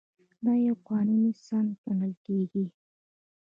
دا یو قانوني سند ګڼل کیږي.